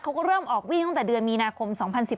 เขาก็เริ่มออกวิ่งตั้งแต่เดือนมีนาคม๒๐๑๘